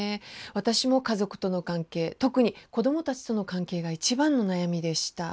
私も家族との関係特に子どもたちとの関係が一番の悩みでした。